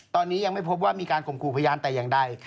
ตอนนี้ยังไม่พบว่ามีการข่มขู่พยานแต่อย่างใด